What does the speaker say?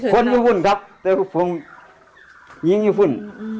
คนญี่ปุ่นครับแต่ผมยิงอยู่ฝุ่น